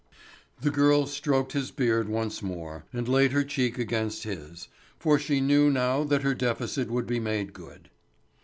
The girl stroked his beard once more, and laid her cheek against his, for she knew now that her deficit would be made good.